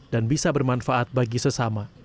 dan bisa bermanfaat bagi sesama